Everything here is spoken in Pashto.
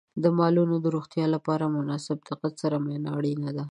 د مالونو د روغتیا لپاره د مناسب دقت سره معاینه اړینه ده.